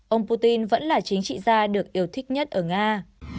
ông putin vẫn là chính trị gia được yêu thích nhất ở nga